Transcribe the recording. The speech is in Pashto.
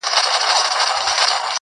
زه هم له خدايه څخه غواړمه تا.